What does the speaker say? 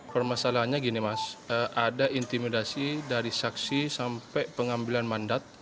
permasalahannya gini mas ada intimidasi dari saksi sampai pengambilan mandat